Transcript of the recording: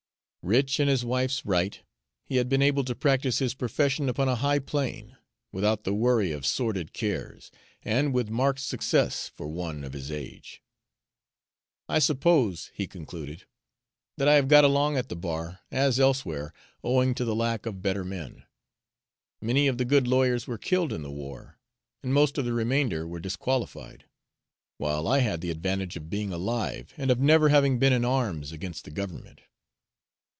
Rich in his wife's right, he had been able to practice his profession upon a high plane, without the worry of sordid cares, and with marked success for one of his age. "I suppose," he concluded, "that I have got along at the bar, as elsewhere, owing to the lack of better men. Many of the good lawyers were killed in the war, and most of the remainder were disqualified; while I had the advantage of being alive, and of never having been in arms against the government.